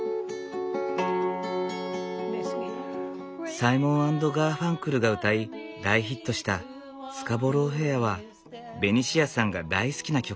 サイモン＆ガーファンクルが歌い大ヒットした「スカボロー・フェア」はベニシアさんが大好きな曲。